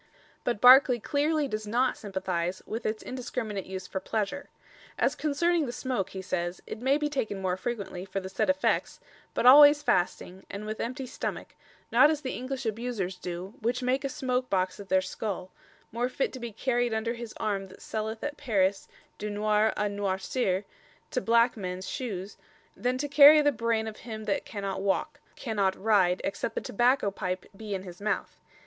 But Barclay clearly does not sympathize with its indiscriminate use for pleasure. "As concerning the smoke," he says, "it may be taken more frequently, and for the said effects, but always fasting, and with emptie stomack, not as the English abusers do, which make a smoke boxe of their skull, more fit to be carried under his arme that selleth at Paris dunoir a noircir to blacke mens shooes then to carie the braine of him that can not walke, can not ryde except the Tabacco Pype be in his mouth."